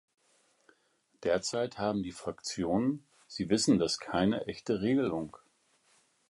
Derzeit haben die Fraktionen Sie wissen das keine echte Regelung.